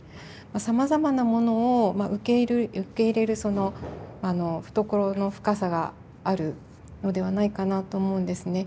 さまざまなものを受け入れる懐の深さがあるのではないかなと思うんですね。